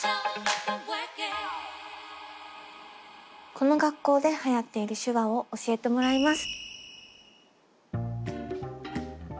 この学校ではやっている手話を教えてもらいます。